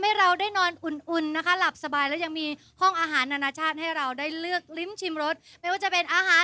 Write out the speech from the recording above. มันดีด้วยแล้วมันติดมือฉันมา